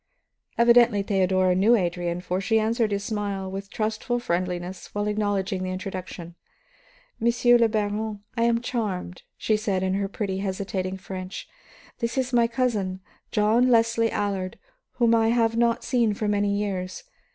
Evidently Theodora knew Adrian, for she answered his smile with trustful friendliness while acknowledging the introduction. "Monsieur le Baron, I am charmed," she said in her pretty, hesitating French. "This is my cousin, John Leslie Allard, whom I have not seen for many years.